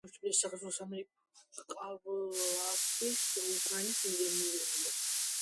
ითამაშა თბილისის, საქართველოს, ამიერკავკასიის, უკრაინის, დნეპროპეტროვსკის და ივანოვოს ნაკრებებში.